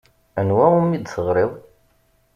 Anwa umi d-teɣrid?